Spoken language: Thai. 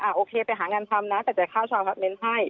อ่ะโอเคไปหางานทำนะ